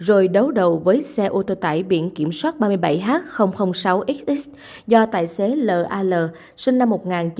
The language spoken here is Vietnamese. ô tô tải biển kiểm soát ba mươi h sáu xx do tài xế l a l sinh năm một nghìn chín trăm tám mươi bảy